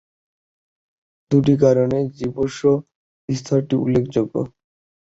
দুটি কারণে এই জীবাশ্ম স্তরটি উল্লেখযোগ্য।